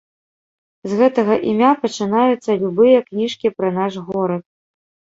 З гэтага імя пачынаюцца любыя кніжкі пра наш горад.